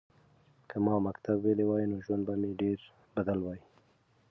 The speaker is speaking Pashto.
که ما مکتب ویلی وای نو ژوند به مې ډېر بدل وای.